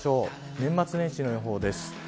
年末年始の予報です。